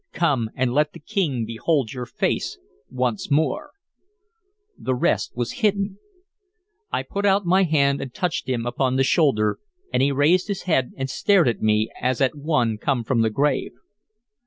Come, and let the King behold your face once more" The rest was hidden. I put out my hand and touched him upon the shoulder, and he raised his head and stared at me as at one come from the grave.